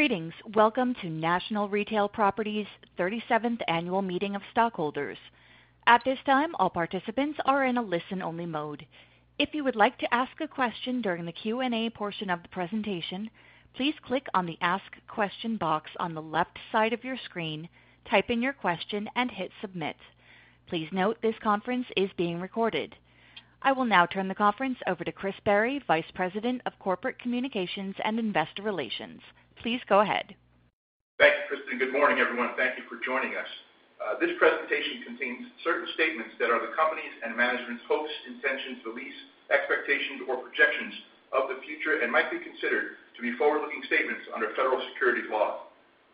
Greetings. Welcome to National Retail Properties 37th Annual Meeting of Stockholders. At this time, all participants are in a listen-only mode. If you would like to ask a question during the Q&A portion of the presentation, please click on the Ask Question box on the left side of your screen, type in your question, and hit Submit. Please note this conference is being recorded. I will now turn the conference over to Chris Barry, Vice President of Corporate Communications and Investor Relations. Please go ahead. Thank you, Kristen. Good morning, everyone. Thank you for joining us. This presentation contains certain statements that are the company's and management's hopes, intentions, beliefs, expectations, or projections of the future and might be considered to be forward-looking statements under federal securities laws.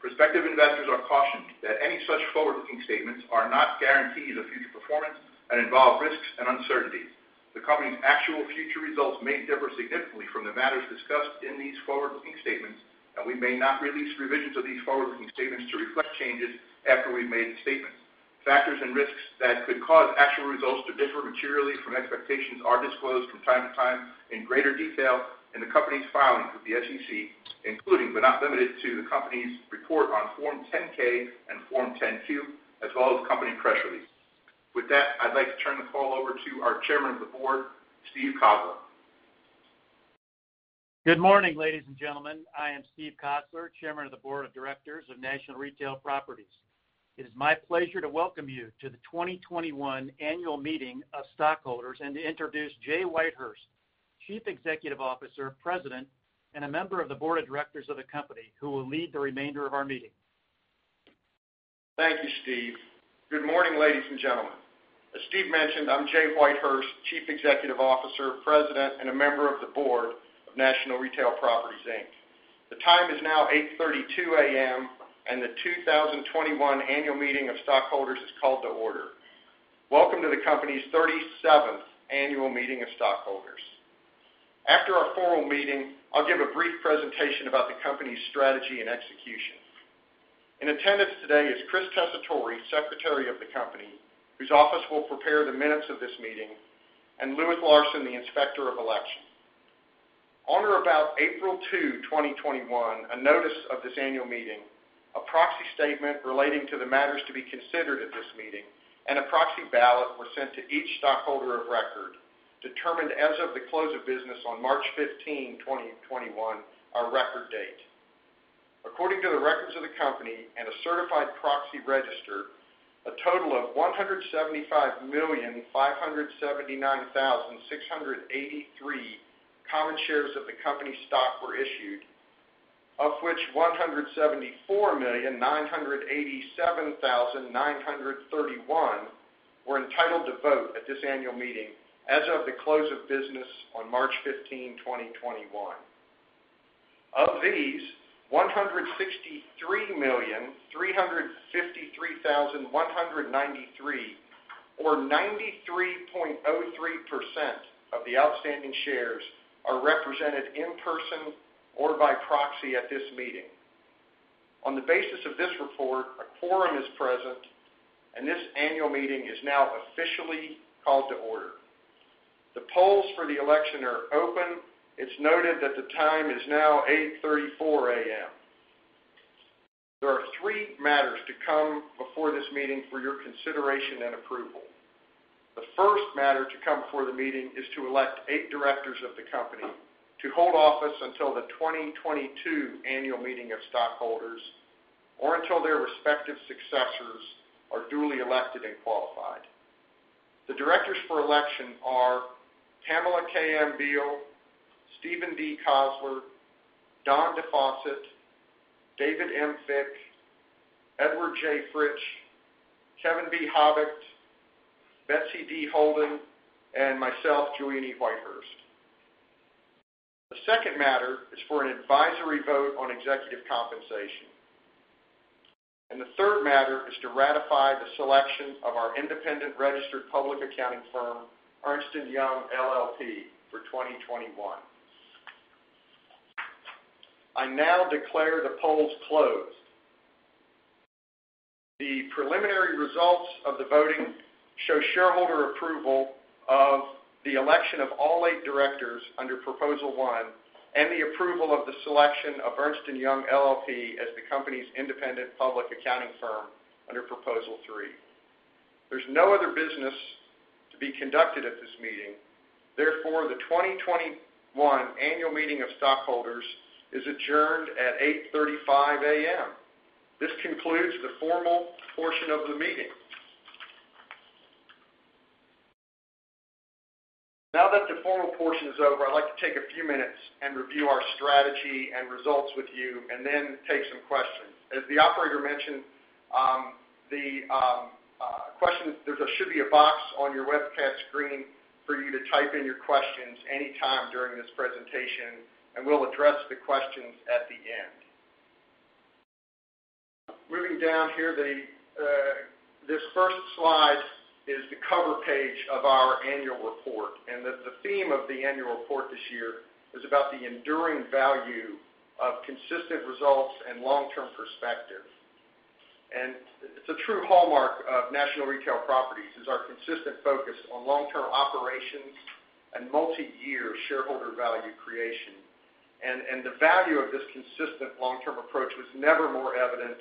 Prospective investors are cautioned that any such forward-looking statements are not guarantees of future performance and involve risks and uncertainties. The company's actual future results may differ significantly from the matters discussed in these forward-looking statements, and we may not release revisions of these forward-looking statements to reflect changes after we've made the statement. Factors and risks that could cause actual results to differ materially from expectations are disclosed from time to time in greater detail in the company's filings with the SEC, including, but not limited to, the company's report on Form 10-K and Form 10-Q, as well as company press release. With that, I'd like to turn the call over to our Chairman of the Board, Steve Cosler. Good morning, ladies and gentlemen. I am Steve Cosler, Chairman of the Board of Directors of National Retail Properties. It is my pleasure to welcome you to the 2021 Annual Meeting of Stockholders and to introduce Jay Whitehurst, Chief Executive Officer, President, and a member of the Board of Directors of the company, who will lead the remainder of our meeting. Thank you, Steve. Good morning, ladies and gentlemen. As Steve mentioned, I'm Jay Whitehurst, Chief Executive Officer, President, and a Member of the Board of National Retail Properties, Inc. The time is now 8:32 A.M., and the 2021 Annual Meeting of Stockholders is called to order. Welcome to the company's 37th Annual Meeting of Stockholders. After our formal meeting, I'll give a brief presentation about the company's strategy and execution. In attendance today is Chris Barry, Secretary of the company, whose office will prepare the minutes of this meeting, and Louis Larson, the Inspector of Election. On or about April 2nd, 2021, a notice of this annual meeting, a proxy statement relating to the matters to be considered at this meeting, and a proxy ballot were sent to each stockholder of record, determined as of the close of business on March 15th, 2021, our record date. According to the records of the company and a certified proxy register, a total of 175,579,683 common shares of the company stock were issued, of which 174,987,931 were entitled to vote at this annual meeting as of the close of business on March 15th, 2021. Of these, 163,353,193, or 93.03% of the outstanding shares, are represented in person or by proxy at this meeting. On the basis of this report, a quorum is present, and this annual meeting is now officially called to order. The polls for the election are open. It's noted that the time is now 8:34 A.M. There are three matters to come before this meeting for your consideration and approval. The first matter to come before the meeting is to elect eight directors of the company to hold office until the 2022 Annual Meeting of Stockholders or until their respective successors are duly elected and qualified. The directors for election are Pamela K. M. Beall, Steven D. Cosler, Don DeFosset, David M. Fick, Edward J. Fritsch, Kevin B. Habicht, Betsy D. Holden, and myself, Julian E. Whitehurst. The second matter is for an advisory vote on executive compensation. The third matter is to ratify the selection of our independent registered public accounting firm, Ernst & Young LLP, for 2021. I now declare the polls closed. The preliminary results of the voting show shareholder approval of the election of all eight directors under proposal one and the approval of the selection of Ernst & Young LLP as the company's independent public accounting firm under proposal three. There's no other business to be conducted at this meeting. Therefore, the 2021 Annual Meeting of Stockholders is adjourned at 8:35 A.M. This concludes the formal portion of the meeting. Now that the formal portion is over, I'd like to take a few minutes and review our strategy and results with you, and then take some questions. As the operator mentioned, there should be a box on your webcast screen for you to type in your questions any time during this presentation, and we'll address the questions at the end. Moving down here, this first slide is the cover page of our annual report, the theme of the annual report this year is about the enduring value of consistent results and long-term perspective. It's a true hallmark of National Retail Properties is our consistent focus on long-term operations and multi-year shareholder value creation. The value of this consistent long-term approach was never more evident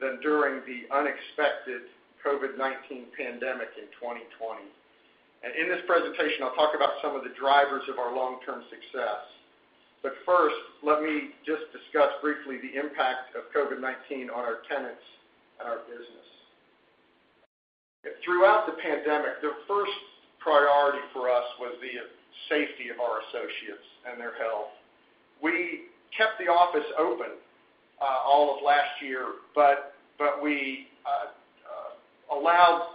than during the unexpected COVID-19 pandemic in 2020. In this presentation, I'll talk about some of the drivers of our long-term success. First, let me just discuss briefly the impact of COVID-19 on our tenants and our business. Throughout the pandemic, the first priority for us was the safety of our associates and their health. We kept the office open all of last year, but we allowed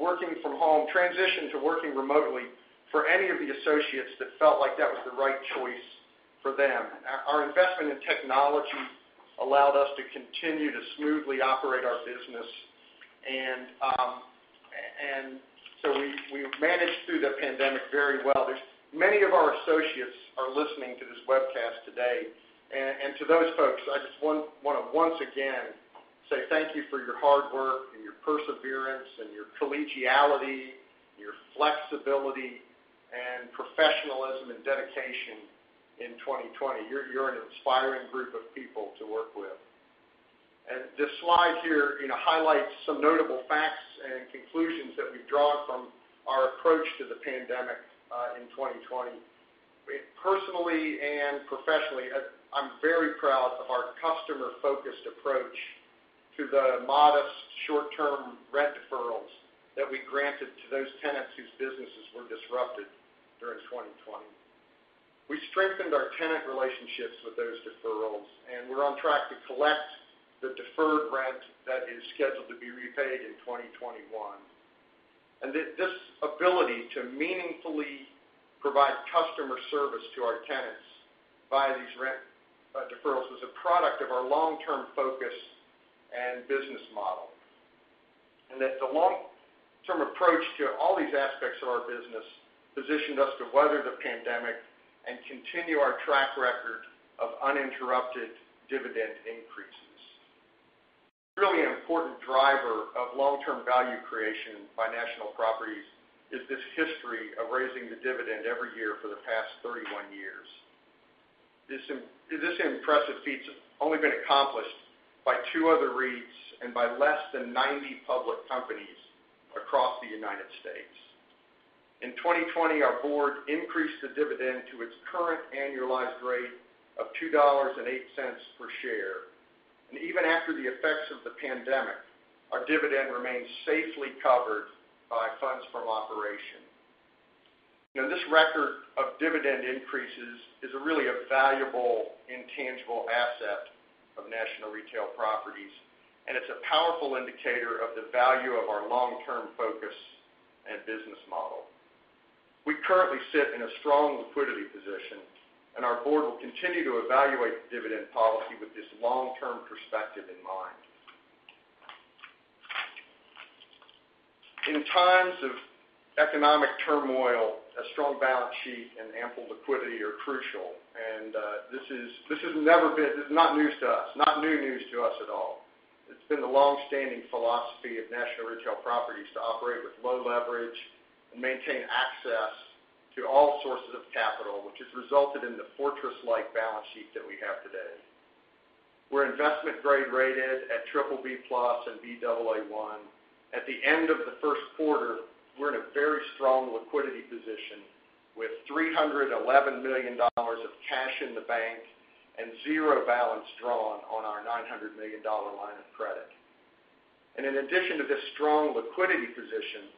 working from home transition to working remotely for any of the associates that felt like that was the right choice for them. Our investment in technology allowed us to continue to smoothly operate our business. We managed through the pandemic very well. Many of our associates are listening to this webcast today. To those folks, I just want to once again say thank you for your hard work and your perseverance and your collegiality, your flexibility and professionalism and dedication in 2020. You're an inspiring group of people to work with. This slide here highlights some notable facts and conclusions that we've drawn from our approach to the pandemic in 2020. Personally and professionally, I'm very proud of our customer-focused approach to the modest short-term rent deferrals that we granted to those tenants whose businesses were disrupted during 2020. We strengthened our tenant relationships with those deferrals, and we're on track to collect the deferred rent that is scheduled to be repaid in 2021. This ability to meaningfully provide customer service to our tenants via these rent deferrals was a product of our long-term focus and business model. That the long-term approach to all these aspects of our business positioned us to weather the pandemic and continue our track record of uninterrupted dividend increases. Really an important driver of long-term value creation by National Properties is this history of raising the dividend every year for the past 31 years. This impressive feat's only been accomplished by two other REITs and by less than 90 public companies across the United States. In 2020, our board increased the dividend to its current annualized rate of $2.08 per share. Even after the effects of the pandemic, our dividend remains safely covered by Funds from Operations. Now this record of dividend increases is really a valuable intangible asset of National Retail Properties, and it's a powerful indicator of the value of our long-term focus and business model. We currently sit in a strong liquidity position, and our board will continue to evaluate the dividend policy with this long-term perspective in mind. In times of economic turmoil, a strong balance sheet and ample liquidity are crucial, and this is not news to us, not new news to us at all. It's been the longstanding philosophy of National Retail Properties to operate with low leverage and maintain access to all sources of capital, which has resulted in the fortress-like balance sheet that we have today. We're investment-grade rated at BBB+ and Baa1. At the end of the first quarter, we're in a very strong liquidity position with $311 million of cash in the bank and zero balance drawn on our $900 million line of credit. In addition to this strong liquidity position,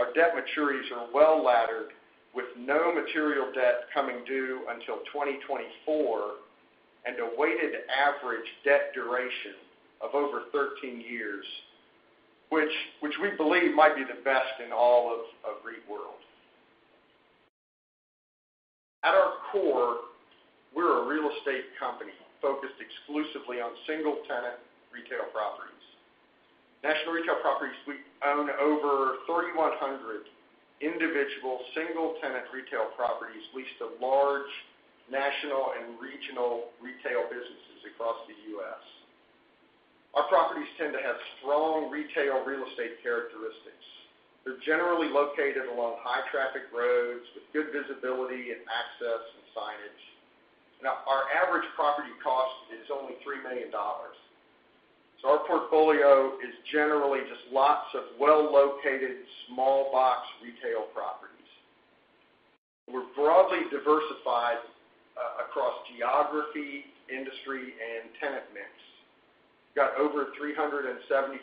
our debt maturities are well-laddered with no material debt coming due until 2024 and a weighted average debt duration of over 13 years, which we believe might be the best in all of REIT world. At our core, we're a real estate company focused exclusively on single-tenant retail properties. National Retail Properties, we own over 3,100 individual single-tenant retail properties leased to large national and regional retail businesses across the U.S. Our properties tend to have strong retail real estate characteristics. They're generally located along high-traffic roads with good visibility and access and signage. Our average property cost is only $3 million. Our portfolio is generally just lots of well-located small box retail properties. We're broadly diversified across geography, industry, and tenant mix. We have over 375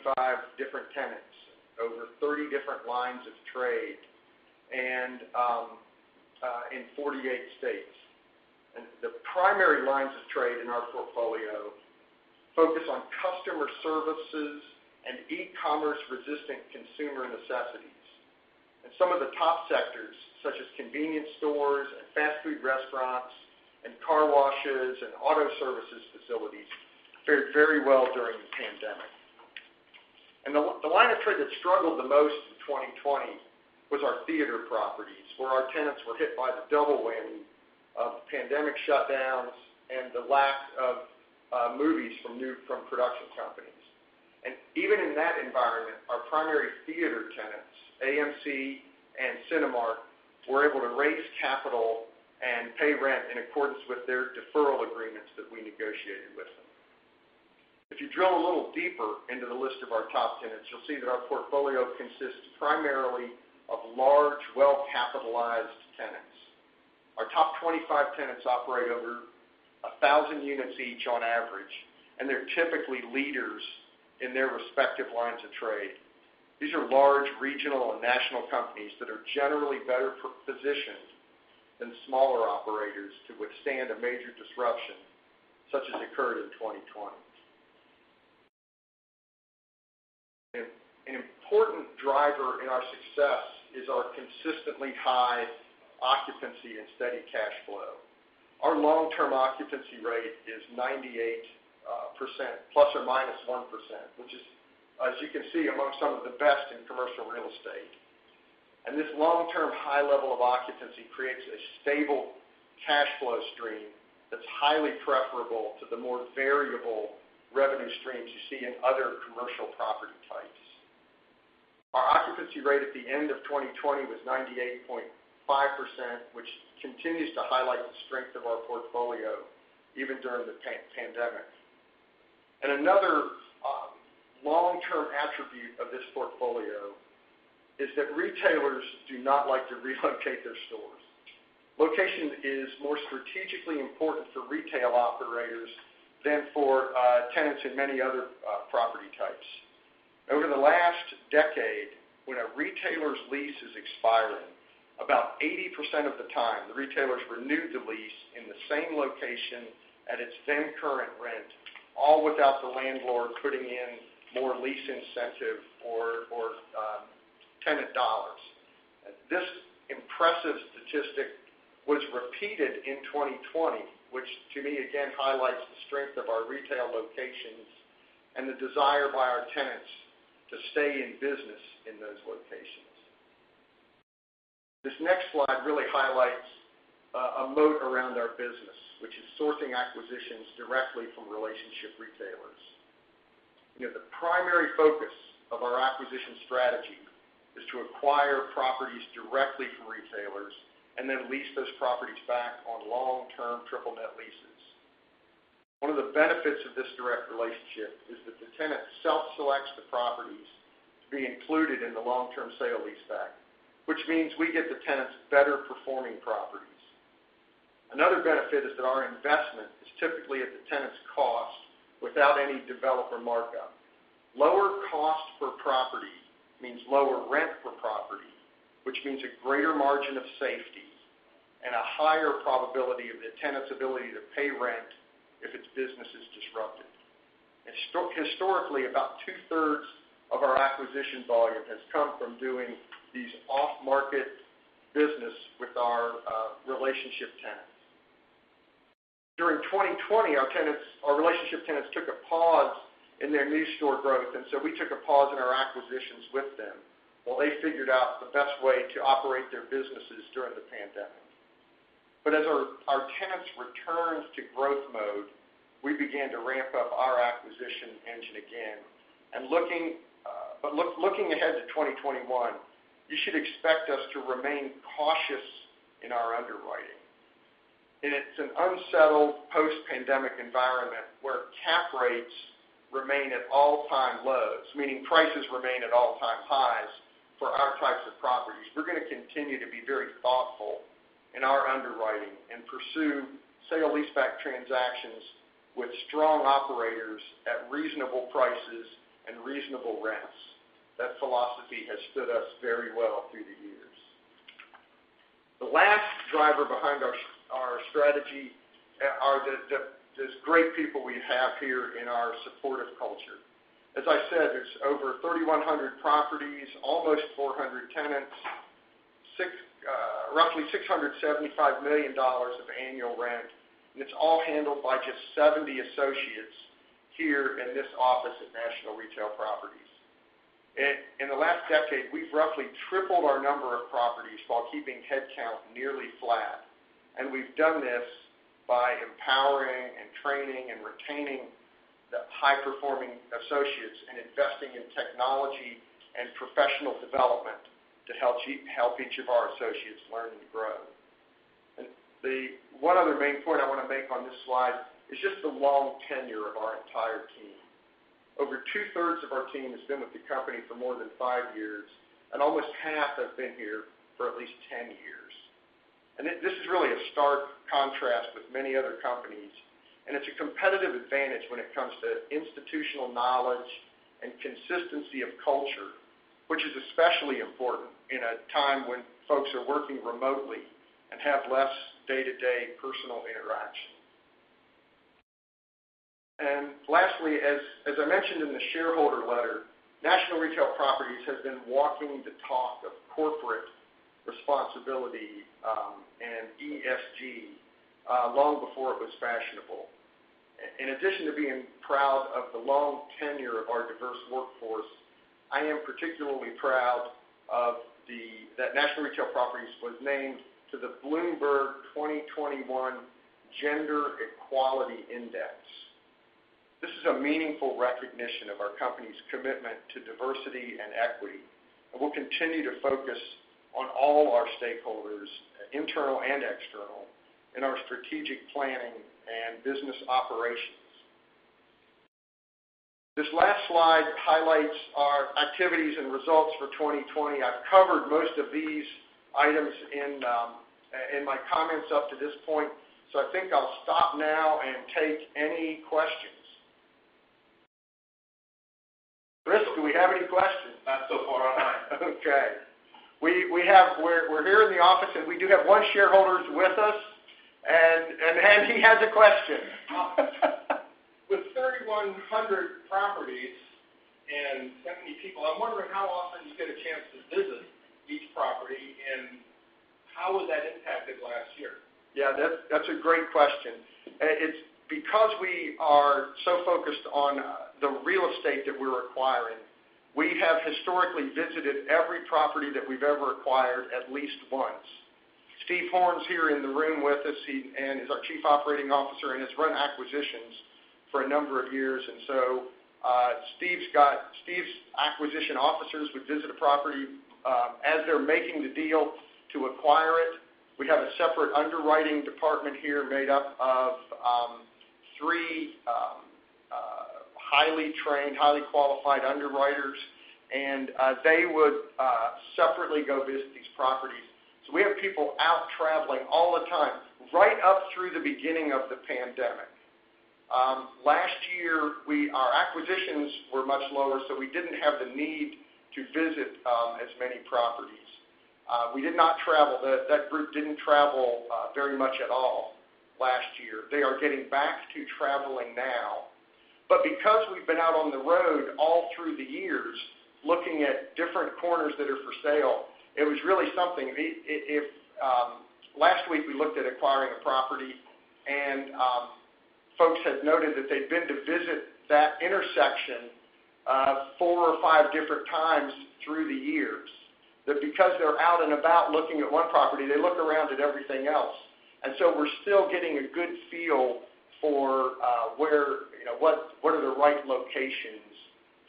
different tenants, over 30 different lines of trade, and in 48 states. The primary lines of trade in our portfolio focus on customer services and e-commerce resistant consumer necessities. Some of the top sectors, such as convenience stores and fast food restaurants and car washes and auto services facilities, fared very well during the pandemic. The line of trade that struggled the most in 2020 was our theater properties, where our tenants were hit by the double whammy of pandemic shutdowns and the lack of movies from production companies. Even in that environment, our primary theater tenants, AMC and Cinemark, were able to raise capital and pay rent in accordance with their deferral agreements that we negotiated with them. If you drill a little deeper into the list of our top tenants, you'll see that our portfolio consists primarily of large, well-capitalized tenants. Our top 25 tenants operate over 1,000 units each on average, and they're typically leaders in their respective lines of trade. These are large regional and national companies that are generally better positioned than smaller operators to withstand a major disruption such as occurred in 2020. An important driver in our success is our consistently high occupancy and steady cash flow. Our long-term occupancy rate is 98%, ±1%, which is, as you can see, amongst some of the best in commercial real estate. This long-term high level of occupancy creates a stable cash flow stream that's highly preferable to the more variable revenue streams you see in other commercial property types. Our occupancy rate at the end of 2020 was 98.5%, which continues to highlight the strength of our portfolio, even during the pandemic. Another long-term attribute of this portfolio is that retailers do not like to relocate their stores. Location is more strategically important for retail operators than for tenants in many other property types. Over the last decade, when a retailer's lease is expiring, about 80% of the time the retailers renewed the lease in the same location at its then current rent, all without the landlord putting in more lease incentive or tenant dollars. This impressive statistic was repeated in 2020, which to me, again, highlights the strength of our retail locations and the desire by our tenants to stay in business in those locations. This next slide really highlights a moat around our business, which is sourcing acquisitions directly from relationship retailers. The primary focus of our acquisition strategy is to acquire properties directly from retailers and then lease those properties back on long-term triple net leases. One of the benefits of this direct relationship is that the tenant self-selects the properties to be included in the long-term sale-leaseback, which means we get the tenants better performing properties. Another benefit is that our investment is typically at the tenant's cost without any developer markup. Lower cost per property means lower rent per property, which means a greater margin of safety and a higher probability of the tenant's ability to pay rent if its business is disrupted. Historically, about two-thirds of our acquisition volume has come from doing these off-market business with our relationship tenants. During 2020, our relationship tenants took a pause in their new store growth, we took a pause in our acquisitions with them while they figured out the best way to operate their businesses during the pandemic. As our tenants returns to growth mode, we began to ramp up our acquisition engine again. Looking ahead to 2021, you should expect us to remain cautious in our underwriting. It's an unsettled post-pandemic environment where cap rates remain at all-time lows, meaning prices remain at all-time highs for our types of properties. We're going to continue to be very thoughtful in our underwriting and pursue sale-leaseback transactions with strong operators at reasonable prices and reasonable rents. That philosophy has stood us very well through the years. The last driver behind our strategy are the great people we have here in our supportive culture. As I said, it's over 3,100 properties, almost 400 tenants, roughly $675 million of annual rent, and it's all handled by just 70 associates here in this office at National Retail Properties. In the last decade, we've roughly tripled our number of properties while keeping headcount nearly flat. We've done this by empowering and training and retaining the high-performing associates and investing in technology and professional development to help each of our associates learn and grow. One other main point I want to make on this slide is just the long tenure of our entire team. Over two-thirds of our team has been with the company for more than five years, and almost half have been here for at least 10 years. This is really a stark contrast with many other companies, and it's a competitive advantage when it comes to institutional knowledge and consistency of culture, which is especially important in a time when folks are working remotely and have less day-to-day personal interaction. Lastly, as I mentioned in the shareholder letter, National Retail Properties has been walking the talk of corporate responsibility, and ESG, long before it was fashionable. In addition to being proud of the long tenure of our diverse workforce, I am particularly proud that National Retail Properties was named to the Bloomberg 2021 Gender-Equality Index. This is a meaningful recognition of our company's commitment to diversity and equity, and we'll continue to focus on all our stakeholders, internal and external, in our strategic planning and business operations. This last slide highlights our activities and results for 2020. I've covered most of these items in my comments up to this point. I think I'll stop now and take any questions. Chris, do we have any questions? Not so far, no. Okay. We're here in the office, and we do have one shareholder with us, and he has a question. With 3,100 properties and that many people, I'm wondering how often you get a chance to visit each property, and how was that impacted last year? That's a great question. It's because we are so focused on the real estate that we're acquiring, we have historically visited every property that we've ever acquired at least once. Steve Horn's here in the room with us, and he's our Chief Operating Officer, and has run acquisitions for a number of years. Steve's acquisition officers would visit a property as they're making the deal to acquire it. We have a separate underwriting department here, made up of three highly trained, highly qualified underwriters, and they would separately go visit these properties. We have people out traveling all the time, right up through the beginning of the pandemic. Last year, our acquisitions were much lower, so we didn't have the need to visit as many properties. We did not travel. That group didn't travel very much at all last year. They are getting back to traveling now. Because we've been out on the road all through the years, looking at different corners that are for sale, it was really something. Last week, we looked at acquiring a property, and folks had noted that they'd been to visit that intersection four or five different times through the years. That because they're out and about looking at one property, they look around at everything else. We're still getting a good feel for what are the right locations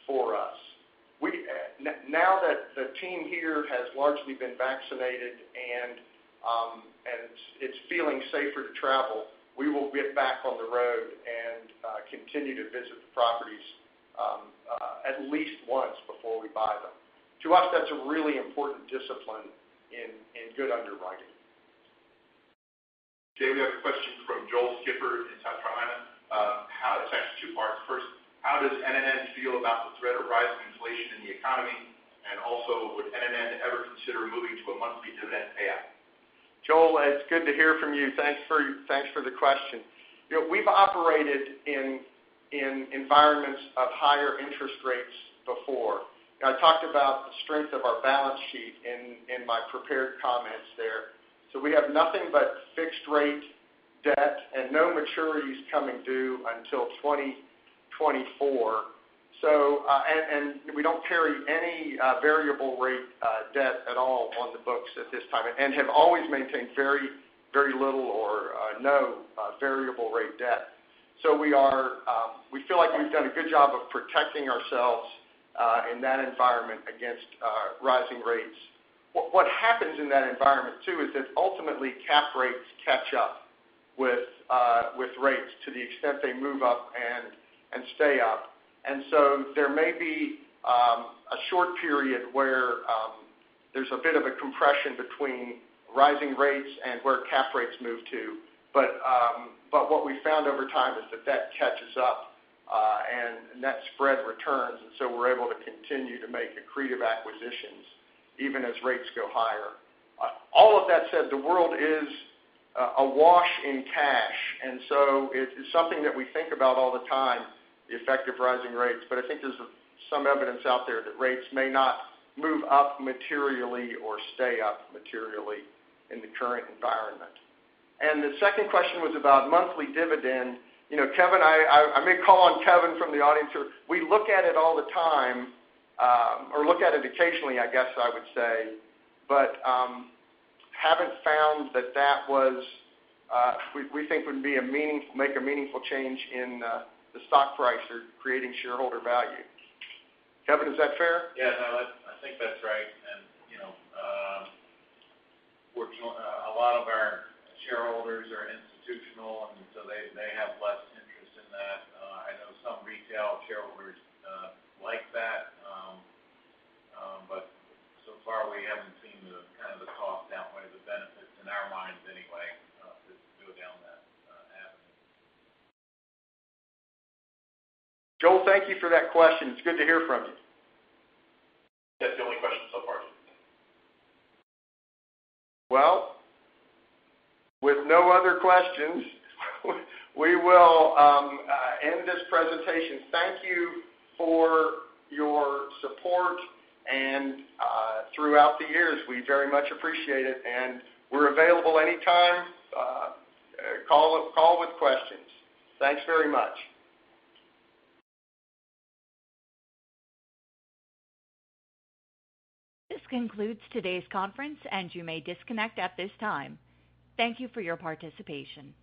for us. Now that the team here has largely been vaccinated, and it's feeling safer to travel, we will get back on the road and continue to visit the properties at least once before we buy them. To us, that's a really important discipline in good underwriting. Jay, we have a question from Joel Skipper in South Carolina. It's actually two parts. First, how does NNN feel about the threat of rising inflation in the economy? Would NNN ever consider moving to a monthly dividend payout? Joel, it's good to hear from you. Thanks for the question. We've operated in environments of higher interest rates before. I talked about the strength of our balance sheet in my prepared comments there. We have nothing but fixed-rate debt and no maturities coming due until 2024. We don't carry any variable rate debt at all on the books at this time, and have always maintained very little or no variable rate debt. We feel like we've done a good job of protecting ourselves in that environment against rising rates. What happens in that environment too is that ultimately cap rates catch up with rates to the extent they move up and stay up. There may be a short period where there's a bit of a compression between rising rates and where cap rates move to, but what we've found over time is that that catches up, and net spread returns, and so we're able to continue to make accretive acquisitions even as rates go higher. All of that said, the world is awash in cash, and so it's something that we think about all the time, the effect of rising rates. I think there's some evidence out there that rates may not move up materially or stay up materially in the current environment. The second question was about monthly dividend. I may call on Kevin from the audience here. We look at it all the time, or look at it occasionally, I guess I would say, but haven't found that that was We think would make a meaningful change in the stock price or creating shareholder value. Kevin, is that fair? Yeah, no, I think that's right. A lot of our shareholders are institutional, and so they have less interest in that. I know some retail shareholders like that. So far, we haven't seen the kind of the cost outweigh the benefits, in our minds anyway, to go down that avenue. Joel, thank you for that question. It's good to hear from you. That's the only question so far. Well, with no other questions, we will end this presentation. Thank you for your support and throughout the years. We very much appreciate it, and we're available anytime. Call with questions. Thanks very much. This concludes today's conference, and you may disconnect at this time. Thank you for your participation.